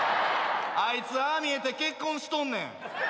あいつああ見えて結婚しとんねん。